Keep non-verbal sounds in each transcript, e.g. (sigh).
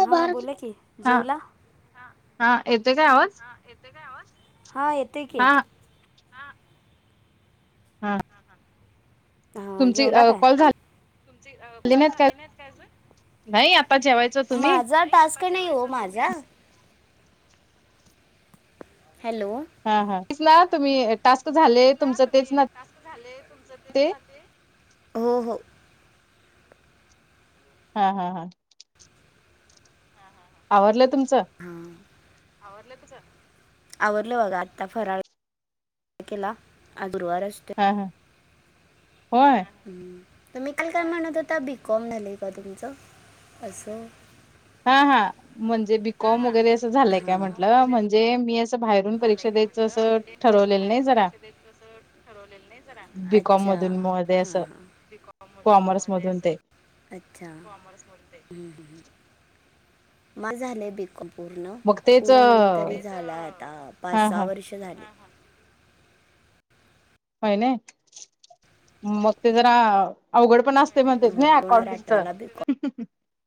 हा बोला की जेवला हा येतोय काय आवाज येतंय काय आवाज हा येतंय की हा हा तुमची कॉल झाल तुम कॉल झाली नाहीत काय नाही आता जेवायचं अजून तुम्ही माझा टास्क नाही ओ माझा हॅलो हा हा तेच ना तुम्ही टास्क झाले तुमचं तेच ना ते हो हो हा हा हा आवरलं तुमचं हां आवरलं बघा आता फराळ केला आज गुरुवार असतोय हा हा होय तर मी काल काय म्हणत होता बीकॉम झालंय आहे का तुमचं असं हा हा म्हणजे बीकॉम वगैरे असं झालंय काय म्हंटलं म्हणजे मी असं बाहेरून झालंय परीक्षा काय द्यायचं म्हंटलं असं म्हणजे मी असं ठरवलेलं नाही बाहेरून जरा परीक्षा द्यायचं असं ठरवलेलं नाही बीकॉम मधून मध्ये असं कॉमर्स मधून ते अच्छा हम्म ह् मा झालंय बीकॉम पूर्ण मग तेच पूर्ण होऊन तरी हा झाला आता पाच सहा हा वर्ष झाली होय नाही मग ते जरा अवघड पण अस म्हणतेस ना होय अकाउंटिंगचं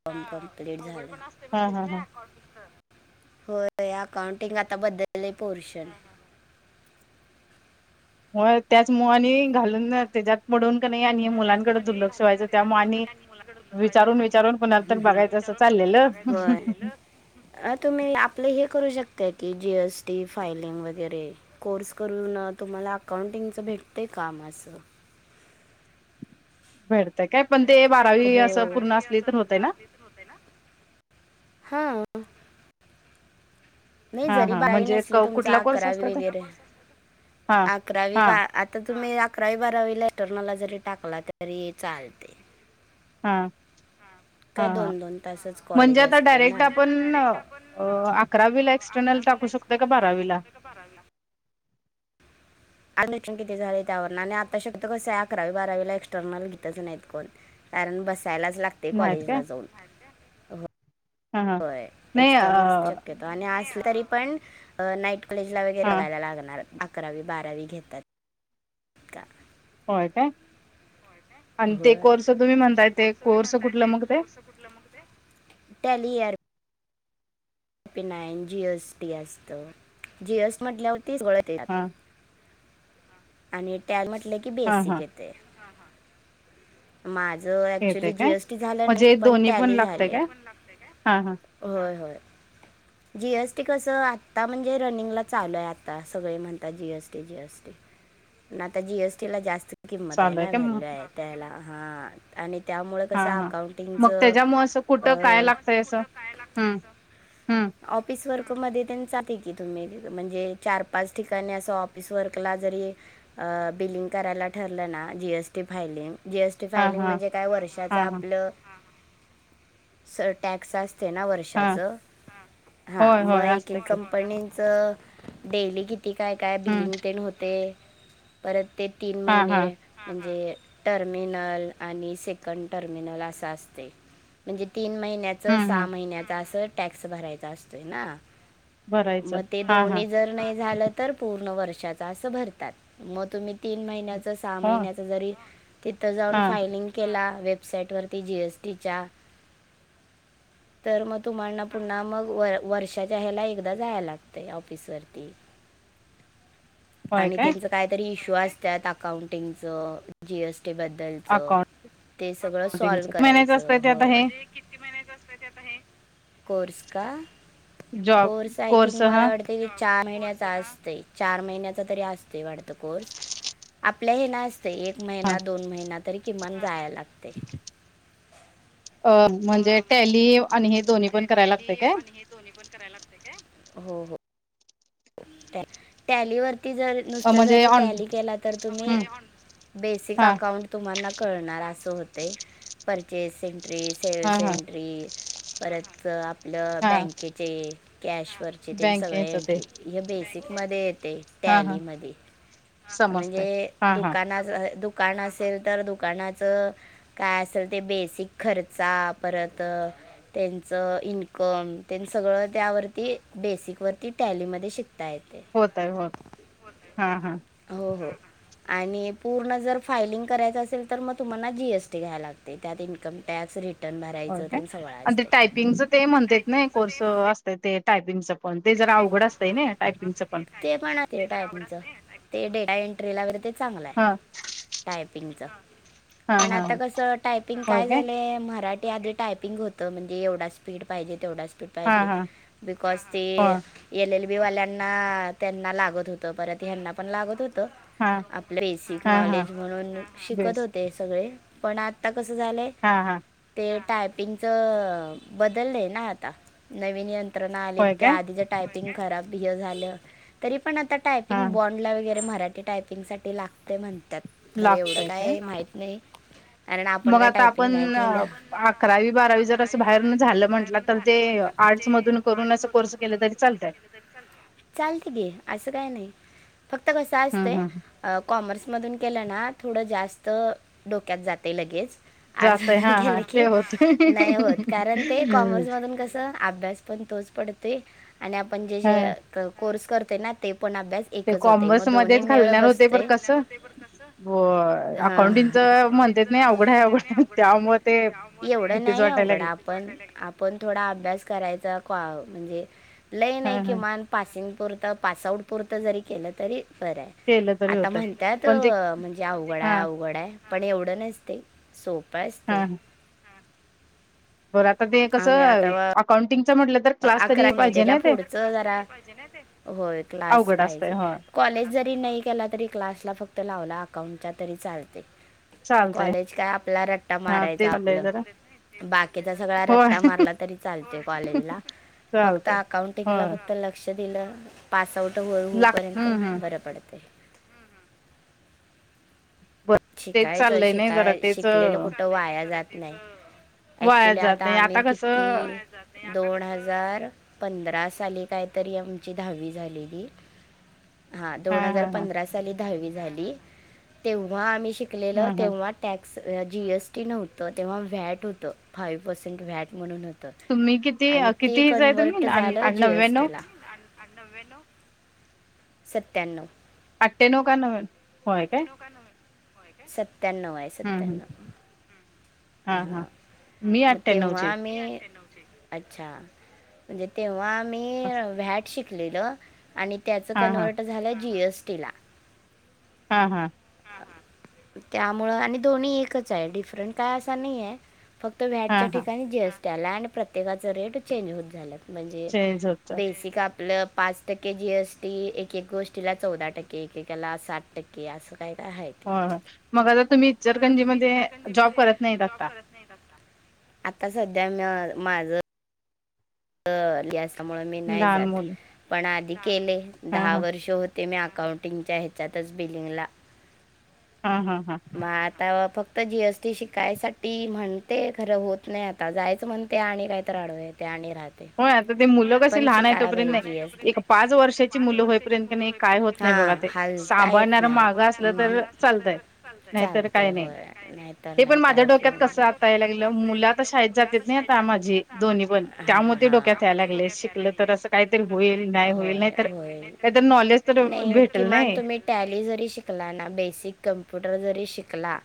(inaudible) असतंय म्हणते हा ना हा अकाउंटिंगच होय अकाउंटिंग आता बदलंय पोर्शन म त्याचमुळं आणि घालून त्याच्यात बूडून का नाही आणि मुलांकडे दुर्लक्ष व्हायचं त्यामुळं आणि विचारून विचारून पुन्हा तर बघायचं असं चाललेलं होय. अ तुम्ही आपले हे करू शकताय की जीएसटी फायलिंग वगैरे कोर्स करून तुम्हाला अकाउंटिंगचं भेटतेय काम असं भेटतंय काय पण ते बारावी हो. असं पूर्ण असली तर होतय ना हा नाही हा जरी हा बारावी म्हणजे नसली तुमचं कुठला कोर्स असतो अकरावी तो वगैरे हा अकरावी हा वा आता तुम्ही अकरावी बारावी रिटर्न ला जरी टाकला तरी चालते हा हा काय हां दोन दोन तासच म्हणजे कॉलेज आता असते ना डायरेक्ट आपण अ अकरावीला एक्स्टर्नल टाकू शकतोय का बारावीला. बारावीला अनइंट्रो किती झाले त्यावरनं आणि आता कसं आहे अकरावी बारावीला एक्सटर्नल घेतच नाहीत कोण. कारण बसायलाच लागतय नाहीत काय कॉलेजला जाऊन. हा हा होय नाही अ एक्स्टर्नल आणि असलं तरी पण नाईट कॉलेज ला वगैरे हा बघायला लागणार अकरावी बारावी घेतात. का. होय काय. आणि हो ते कोर्स तुम्ही ते म्हणताय कोर्स मी म्हणताय कुठलं ते मग कोर्स कुठलं मग टॅली नाईन जीएसटी असत जीएसटी म्हटल्यावर सगंळं येतंय हा आणि टॅल म्हटले की हा हा बेसीक येतय. माझ येतय ऍक्च्युली जी काय एस टी झालं नाय म्हणजे पण दोन्ही टॅली लागतय झालंय. काय हा हा होय होय. जीएसटी कसं आत्ता म्हणजे रनिंगला चालू आहे आता सगळे म्हणतात जीएसटी जीएसटी. पण आता जी एस टी ला जास्त किंमत आहे चालू ना काय व्हॅल्यू आहे त्याला हा. आणि त्यामुंळ हा कसं हा मग अकाउंटिंगचं त्याच्यामुळे अ हा हा ऑफिस वर्क मध्ये त्यांनं जाते की तुम्ही म्हणजे चार पाच ठिकाणी असं ऑफिस वर्कला जरी अ बिलिंग करायला ठेवलं ना G S T filing G S T हा फायलिंग हा म्हणजे काय वर्षाच हा हा आपलं स टॅक्स असते ना हा वर्षाच हा होय मग होय एक असत की कंम पणीच डेली किती काय काय हम्म बिलिंग तेन होतय. परत ते तीन हा हा महिने म्हणजे टर्मिनल आणि सेकंड टर्मिनल अस असतय. म्हणजे तीन महिन्याच हम्म सहा हम्म महिन्याचा असं टॅक्स भरायचा असतोय ना. भरायचं म ते हा हा दोन्ही जर नाही झालं तर पूर्ण वर्षाच असं भरतात म तुम्ही तीन महिन्याचं सहा हो महिन्याचं जरी तिथं जाऊन हा फायलिंग केला वेबसाईट वरती जी एस टीच्या तर म तुम्हाना पुन्हा मग वर वर्षाच्या हयाला एकदा जायला लागतं ऑफिसवरती. होय आणि काय त्यांच काहीतरी इश्यू असत्यात अकाउंटिंगचं जी एसी- टी बद्दलच ते सगळं सॉल्व अकाउंटिंगच महिन्याच असतंय करायचं ते आता होय. हे कोर्स का जॉब कोर्स आय थिंक हा मला वाटत तीन चार महिन्याचा असत चार महिन्याचा तरी असतय वाढत कोर्स. आपल्या हे ना असतय एक हा महिना दोन महिना तरी किमान जाया लागतय. अ म्हणजे टॅली आणि हे दोन्ही पण करायला लागतय काय? दोन्ही पण करायला लागतय काय हो हो. टॅ टॅलीवरती जर नुसत म्हणजे जरी ऑन टॅली केला तर तुम्ही हम्म बेसिक हा अकाउंट तुम्हाना कळणार असं होतय परचेस एंट्री हा सेल्स हा एंट्री परत आपलं हा बँकेचे कॅशवरचे तेन सगळे बँकेच ते एंट्री. हे बेसिक मध्ये येतय हा हा टॅली मध्ये आणि समजतय हे हा हा दुकानात जर दुकान असेल तर दुकानाचं काय असेल ते बेसिक खर्चा परत त्यांच इन्कम तेन सगळं त्यावरती बेसिक वरती टॅलीमध्ये शिकता येते. होताय होत हा हा. हो हो आणि पूर्ण जर फायलिंग करायचं असेल तर मग तुम्हाला जी एस टी घ्यायला लागतेय त्यात इन्कम टॅक्स रिट हो काय आणि ते टायपिंगचं ते म्हणत्यात नाय कोर्स अस त ते टायपिंगचं पण ते जरा अवघड असतंय नय टायपिंगचं पण ते पण थेटा हाय तुमच ते डेटा एंट्री ला वगैरे ते चांगलं आहे. हा टायपिंगच हा पण हा आता कसं टायपिंग काय झालंय मरा ते आधी टायपिंग होत म्हणजे एवढा स्पीड पाहिजे तेवढा स्पीड हा पाहिजे हा बिकॉज ते हो एल एल बी वाल्यांना त्यांना लागत होत परत ह्यांना पण लागत होत. हा आपलं एसिक हा हा नॉलेज म्हणून शिकत बेस होते सगळे पण आता कसं झालंय. हां हां. ते टायपिंगचं बदललं आहे ना आता नवीन यंत्र यंत्रण आलेत होय त्या काय आधीच टायपिंग करा बी अ झाल ते पण आता हा टायपिंग बो वगैरे मराठी टायपिंग साठी लागते म्हणतात खरं एवढं काय माहित नाही. कारण आपण मग काय आता टायपिंग आपण नाही केलं अकरावी बारावी जर असं बाहेर झालं म्हंटलं तर ते आर्टस मधून करून असं कोर्स केले तरी चालतय. चालत की असं काय नाही फक्त कस हम्म असतंय हम्म अ कॉमर्समधून केलं ना थोडं जास्त डोक्यात जातय लगेच. आर्ट्स जातय हा मधून हा केल की ते होतय नाही होत कारण ते कॉमर्स मधून कस अभ्यास पण तोच पडतोय आणि आपण जे हा जे कोर्स करते ना ते पण अभ्यास ते एकच होते कॉमर्स मग दोन्ही मध्येच मेळ घालणार होते बसते पण कसं ब हा हा अकाउंटिंग चं म्हणतात ना आहे अवघड अवघड त्यामुळे ते हाय एवढं भीतीच नाही वाटायला अवघड लागली आप पण आपण थोडा अभ्यास करायचा कॉ म्हणजे लय हा नाई हा किमान पासिंग पुरत पास आउट पुरतं जरी केलं तरी बरंय केलं तरी आता होत म्हणतात पण ते म्हणजे अवघड हा आहे अवघड आहे पण एवढं नसते सोपं हा असते. बरं आता ते आम्ही होय आता कसं ते व- अकाउंटिंगचं म्हटलं तर क्लास अकरा तरी नाही पाहिजे त्याच्या ना ते पुढच जरा होय क्लास अवघड असतंय पाहिजे. हो कॉलेज जरी नाही केला तरी क्लासला फक्त लावला अकाउंटचा तरी चालते. चालतय कॉलेज काय आपला रट्टा हा ते मारायचा चाललंय आपलं. जरा बाकीचा सगळा होय रट्टा मारला तरी चालते कॉलेजला. फक्त चालतय अकाउंटिंग ला होय फक्त ल लक्ष दिलं पास आउट होळ होऊ लाग पर्यंत हम्म हम्म बरं पडते. तेच शिकायचं चाललंय नाही जरा शिकाय तेच शिकलेलं कुठं वाया जात नाही. वाया ऍक्च्युली जात आता नाही आम्ही कसं किती दोन हजार पंधरा साली कायतरी आमची दहावी झालेली हा दोन हजार हा हा पंधरा साली दहावी झाली तेव्हा आम्ही शिकलेल हा हा तेव्हा टॅक्स जीएसटी नव्हतं तेव्हा व्हॅट होतं फाय पर्सेंट व्हॅट म्हणून होत तुम्ही किती आणि ते किती हेच आहे तुम्ही कन्वर्ट झालं जी एस नव्याण्णव टी ला. सत्त्याण्णव. अठ्यानउ का नव होय काय. सत्यान्णव आहे हा हा सत्याण्नव. हा मी म तेव्हा अठ्ठ्याण्णवची आम्ही अच्छा म्हणजे तेव्हा मी हा व्हॅट शिकलेल आणि त्याच हा कन्वर्ट झालं जी एस टी ला. हा हा. त्यामुळं आणि दोन्ही एकच आहे डिफरंट काय असा नाही आहे. फक्त हा व्हॅटच्या हा ठिकाणी जीएसटी आला आणि प्रत्येकाचं रेट चेंज होत झालं. म्हणजे झोपचा बेसिक आप ल पाच टक्के जीएसटी एक एक गोष्टीला चौदा टक्के एकेकाला सात टक्के असं. (unintelligible) हो हो मग आर तुम्ही जरकंजी मध्ये जॉब करत नाहीत आत्ता. आता सध्या म माझं यासमुळ मी नाही लहान जात मुलं पण आधी केले हा दहा हा वर्ष होत ते मी अकाउंटिंगच्या ह्याच्यातच बिलिंगला हा हा हा. मग आता फक्त जीएसटी शिकायसाठी म्हणते खरं होत नाही आता आता जायचं म्हणते आणि काय तर आडवं येतंय आणि राहत होय आता ते मुलं कशी पण लहान आहे शिकायची तोपर्यंत ये जी एस नाही टी. एक पाच वर्षाची मुलं होईपर्यंत की नाही काय होत नाही बघा हा ते हालता येत सांभाळणारा मागं नाही असलं तर अह. चालतंय नाहीतर चालते काय नाही होय नाही तर ते पण नाही काय माझ्या उपयोग डोक्यात कसं नाही. आता यायला लागलं मुलं आता शाळेत जातेत नाही आता माझी दोन्ही पण हा, त्यामुळे हा. डोक्यात यायायला लागलय शिकलं तर असं काहीतरी होईल नाही होईल नाही होय, तर होय. काहीतरी नॉलेज तर नाही भेटल किमान नाही. तुम्ही टॅली जरी शिकला ना बेसिक कम्प्युटर जरी शिकला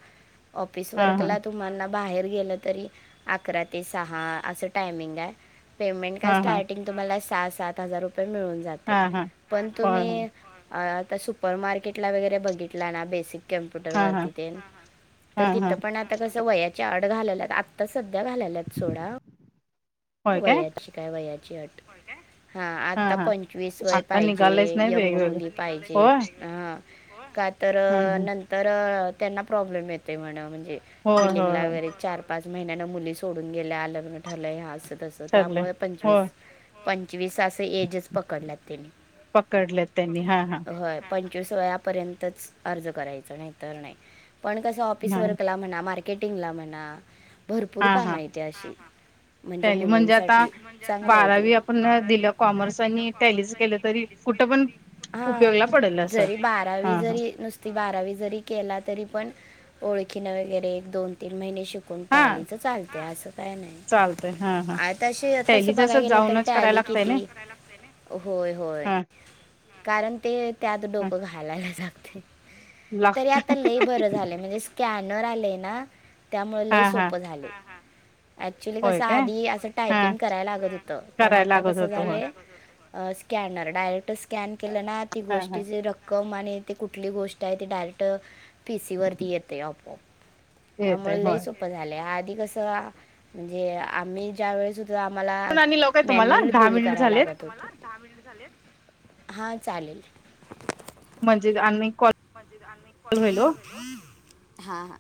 ऑफिस हा हा वर्कला तुम्हाला बाहेर गेलं तरी अकरा ते सहा अस टायमिंग आहे पेमेंट काय हा हा स्टार्टंग तुम्हाला सहा सात हजार रुपये मिळून जाते हा हा पण होय होय तुम्ही आता सुपर मार्केटला वगैरे बघितला ना बेसिक कॅम्प्युटर हा हा वरती तेन हा तर हा तिथं पण आता कस वयाची आड घालेल्यात आत्ता सध्या घालेल्यात सोडा. वयाची काय वयाची अट. होय काय. हा आता पंचवीस वय आता पाहिजे निघालयच नाही यंग वेगवेगळं मुली पाहिजे होय हा. का तर हम्म हम्म नंतर त्यांना प्रॉब्लेम येतो म्हण म्हणजे होय होय बिलिंगला होय वगैरे चार पाच महिन्यान मुली सोडून गेल्या लग्न ठरलय ह्या असं तसं ठरलंय त्यामुळे पंचवीस होय पंचवीस असं एजच पकडल्यात त्यांनी. पकडलेत त्यांनी हा हा होय पण पंचवीस वयापर्यंतचं अर्ज करायच नाहीतर नाही. पण कस ऑफिस हा वर कला म्हणा मार्क टिंग ला म्हणा भरपूर हा काम हा हायेती अशी. म्हणजे टॅली आता मुलींसाठी चांगल आहे ते बारावी आपण बारावी दिलं आपन कॉमर्स दिलं आणि कॉमर्स टॅलीच केलं आणि तरी टॅलिस् केलं कुठं पण तरी हा उपयोगला पडेल असं जरी हा बारावी हा जरी नुस ती बारावी जरी केला तरी पण ओळखीने वगैर एक दोन तीन महिने शिक कून टॅलीच चालते असं काय नाही. आलतय हा. हा आतशी तसं टॅलीच अस बघाय गेलं तर जाऊनच करायला टॅली लागतय ना किती होय होय हा कारण ते त्यात हा डोकं घालायलाच लागते. तरी आता लागतय लय बरं झालंय म्हणजे स्कॅनर आलंय ना. त्यामुळ हा लय हा सोप झालंय ऍक्चुली कस होय आ काय धी त्याचं हा टायपिंग करायला लागत होतं पण करायला आता लागत कसं होत होय झालंय. अ स्कॅनर डायरेक्ट स्कॅन केलं ना ती हा हा गोष्टीची रक कम आणि ते कुठली गोष्ट आहे ती डायरेक्ट पीसीवरती येते आपोआप. येतय त्यामुळे लय होय सोपं झालंय आधी कसं म्हणजे आम्ही ज्या वेळेस हो तो आम्हाला आणि लावू काय तुम्हाला मॅन्युल दहा बिल मिनिट कराय झालेत लागत होत. हां चालेल. म्हणजे आणि कॉल. म्हणजेच अनेक कॉल होईल ओ, हा हा.